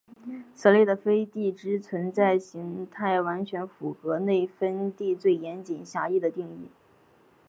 此类的飞地之存在型态完全符合内飞地最严谨狭义的定义。